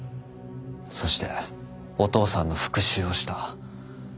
そしてお父さんの復讐をした。